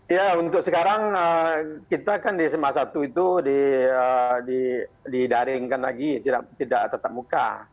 ya untuk sekarang kita kan di sma satu itu didaringkan lagi tidak tetap muka